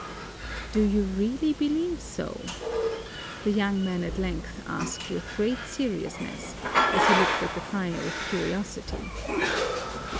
"Do you really believe so?" the young man at length asked with great seriousness, as he looked at the friar with curiosity.